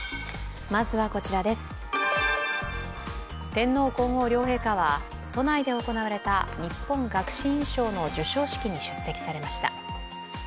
天皇皇后両陛下は都内で行われた日本学士院賞の授賞式に出席されました。